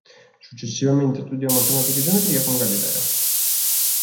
Successivamente studiò matematica e geometria con Galileo.